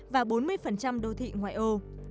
và bốn mươi đô thị ngoại ô